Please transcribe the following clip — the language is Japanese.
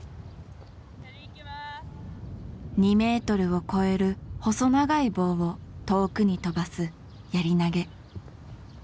２ｍを超える細長い棒を遠くに飛ばすやり投げ。